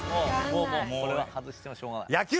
これは外してもしょうがない。